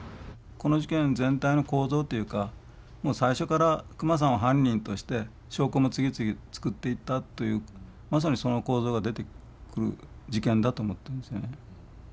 この事件全体の構造というかもう最初から久間さんを犯人として証拠も次々作っていったというまさにその構造が出てくる事件だと思ってんですよね。